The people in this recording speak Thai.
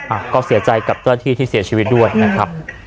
อ่ะก็เสียใจกับเจ้าหน้าที่ที่เสียชีวิตด้วยนะครับ